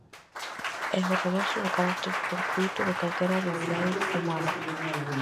É o reverso do carácter fortuíto de calquera realidade humana.